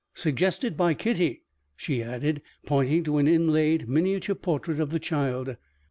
"Suggested by Kitty," she added, pointing to an inlaid miniature portrait of the child.